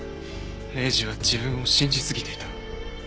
礼司は自分を信じすぎていた。